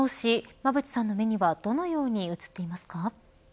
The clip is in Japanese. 馬渕さんの目にはどのように映っていますか。